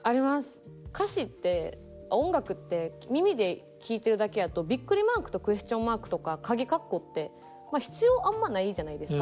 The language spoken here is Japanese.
歌詞って音楽って耳で聴いてるだけやとビックリマークとクエスチョンマークとかかぎ括弧って必要あんまないじゃないですか